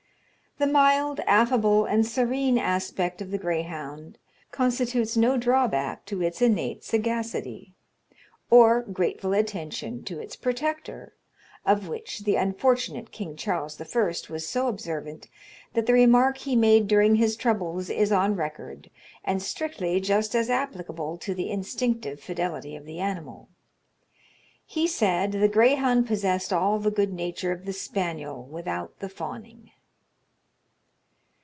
The mild, affable, and serene aspect of the greyhound, constitutes no drawback to its innate sagacity, or grateful attention to its protector, of which the unfortunate king Charles I. was so observant, that the remark he made during his troubles is on record, and strictly just as applicable to the instinctive fidelity of the animal. He said the greyhound possessed all the good nature of the spaniel without the fawning.